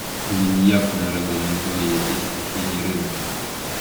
Він ніяк не регламентує якісь стихійні ринки.